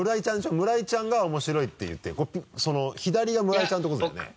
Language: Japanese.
村井ちゃんが面白いって言ってる左が村井ちゃんってことだよね？